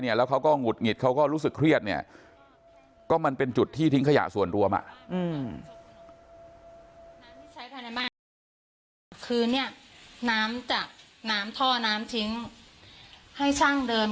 ในน้ำแบบนี้น้ำจากน้ำท่อน้ำทิ้งให้ช่างเดิน